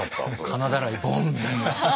金だらいボンって。